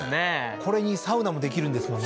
これにサウナもできるんですもんね